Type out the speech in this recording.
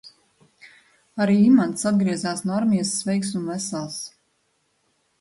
Arī Imants atgriezās no armijas sveiks un vesels.